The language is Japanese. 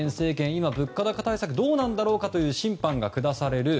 今、物価高対策はどうなんだろうかという審判が下される。